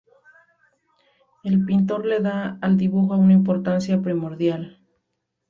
El pintor le da al dibujo una importancia primordial.